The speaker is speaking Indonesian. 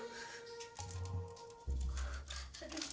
jelok banget lu bea